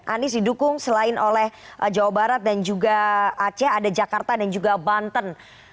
anies didukung selain oleh jawa barat dan juga aceh ada jakarta dan juga banten